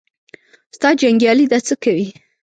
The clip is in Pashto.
ستا جنګیالي دا څه کوي.